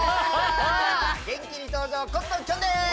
元気に登場コットンきょんです！